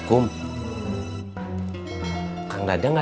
kamu ingat gak kang dadang